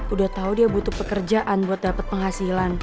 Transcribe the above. udah tau dia butuh pekerjaan buat dapet penghasilan